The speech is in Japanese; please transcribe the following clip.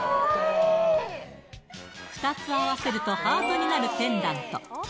２つ合わせるとハートになるペンダント